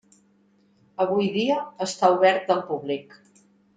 Avui dia està obert al públic.